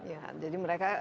ya jadi mereka